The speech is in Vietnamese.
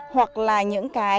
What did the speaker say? hoặc là những cái